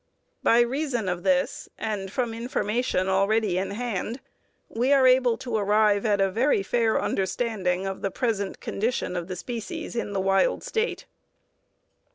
By reason of this, and from information already in hand, we are able to arrive at a very fair understanding of the present condition of the species in a wild state.